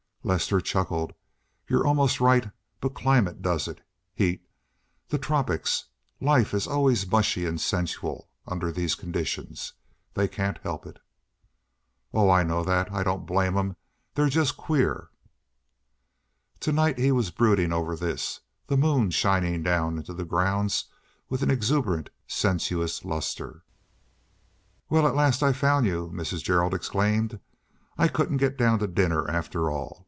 Lester chuckled, "You're almost right. But climate does it. Heat. The tropics. Life is always mushy and sensual under these conditions. They can't help it." "Oh, I know that. I don't blame them. They're just queer." To night he was brooding over this, the moon shining down into the grounds with an exuberant, sensuous luster. "Well, at last I've found you!" Mrs. Gerald exclaimed. "I couldn't get down to dinner, after all.